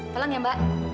tolong ya mbak